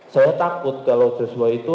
saya takut kalau sesuai itu